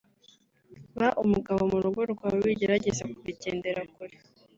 ba umugabo mu rugo rwawe wigerageza kubigendera kure